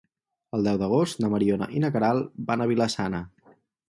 El deu d'agost na Mariona i na Queralt van a Vila-sana.